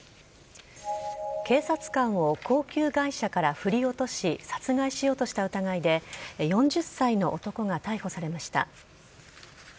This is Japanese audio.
警察官を高級外車から振り落とし殺害しようとした疑いで４０歳の男が逮捕されました。